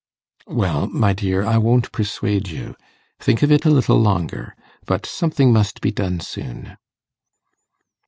'Well, my dear, I won't persuade you. Think of it a little longer. But something must be done soon.